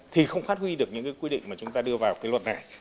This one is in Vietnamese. thì không phát huy được những quy định mà chúng ta đưa vào luật này